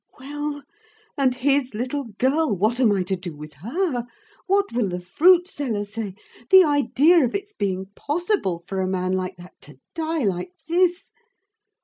Well! and his little girl, what am I to do with her? What will the fruit seller say? The idea of its being possible for a man like that to die like this!